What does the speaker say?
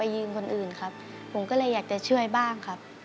ร้องได้ให้ล้าง